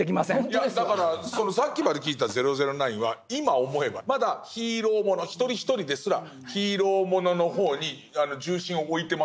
いやだからさっきまで聞いてた「００９」は今思えばまだヒーローもの一人一人ですらヒーローものの方に重心を置いてますね。